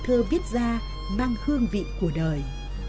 tình yêu của đời